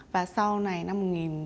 và sau này năm một nghìn chín trăm bảy mươi